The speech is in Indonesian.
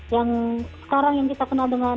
yang sekarang yang kita kenal dengan